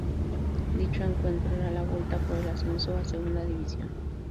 Dicho encuentro era la vuelta por el ascenso a segunda división.